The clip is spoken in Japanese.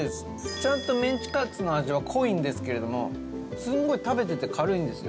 ちゃんと、メンチカツの味は濃いんですけれどもすごい、食べてて軽いんですよ。